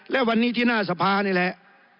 และวันนี้ที่หน้าสภานี่แหละ